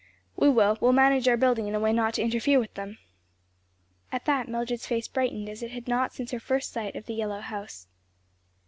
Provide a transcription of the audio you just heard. "We will; we'll manage our building in a way not to interfere with them." At that Mildred's face brightened as it had not since her first sight of the yellow house.